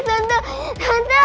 tante sakit tante